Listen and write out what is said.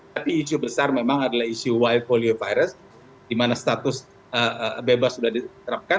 tapi isu besar memang adalah isu y polio virus di mana status bebas sudah diterapkan